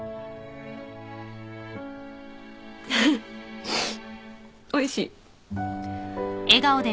フフおいしい。